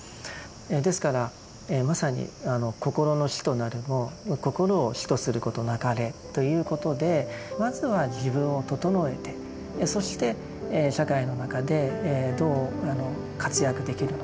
ですからまさに「心の師となるも心を師とすることなかれ」ということでまずは自分を整えてそして社会の中でどう活躍できるのか。